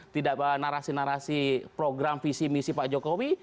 tidak narasi narasi program visi misi pak jokowi